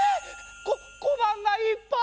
ここばんがいっぱい！